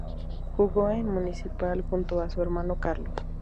Jugó en Municipal junto a su hermano Carlos.